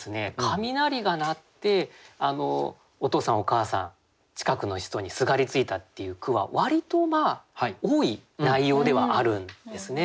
雷が鳴ってお父さんお母さん近くの人にすがりついたっていう句は割と多い内容ではあるんですね。